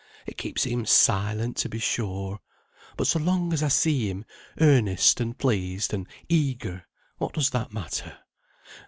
It keeps him silent, to be sure; but so long as I see him earnest, and pleased, and eager, what does that matter?